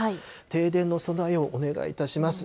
停電への備えをお願いいたします。